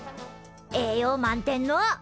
栄養満点の。